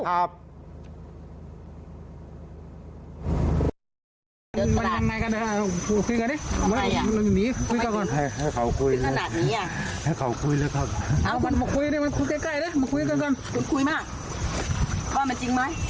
คุณคุยมากว่ามันจริงไหม